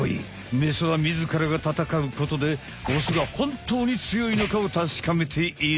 メスはみずからが戦うことでオスがほんとうに強いのかをたしかめている。